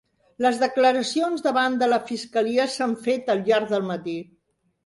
Les declaracions davant de la fiscalia s'han fet al llarg del matí